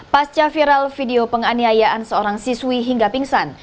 pasca viral video penganiayaan seorang siswi hingga pingsan